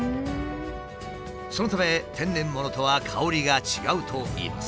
そのため天然物とは香りが違うといいます。